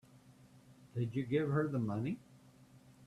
Did you give her the money?